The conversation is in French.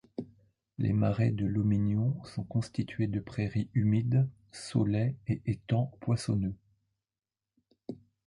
Les marais de l'Omignon sont constitués de prairies humides, saulaies et étangs poissonneux.